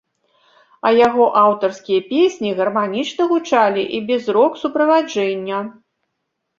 А яго аўтарскія песні гарманічна гучалі і без рок-суправаджэння.